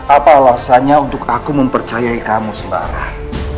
apa alasannya untuk aku mempercayai kamu sembarang